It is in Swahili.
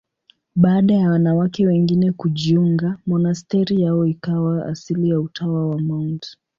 Baada ya wanawake wengine kujiunga, monasteri yao ikawa asili ya Utawa wa Mt.